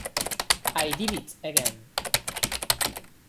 I Did It Again".